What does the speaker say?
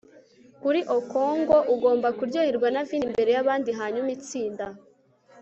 kuri okonkwo, ugomba kuryoherwa na vino imbere yabandi. hanyuma itsinda